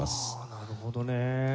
なるほどね。